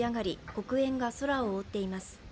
黒煙が空を覆っています。